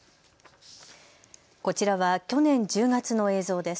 こちらは去年１０月の映像です。